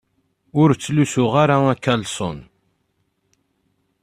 Ur ttluseɣ ara akalsun.